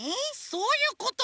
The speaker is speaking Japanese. そういうこと！